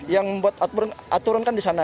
yang membuat aturan kan di sana